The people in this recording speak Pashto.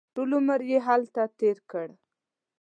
ټول عمر یې هلته تېر کړ.